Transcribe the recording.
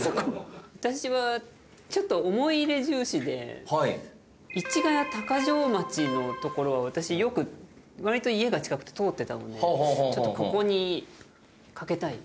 私はちょっと思い入れ重視で市谷鷹匠町の所は私よく割と家が近くて通ってたのでちょっとここに賭けたい。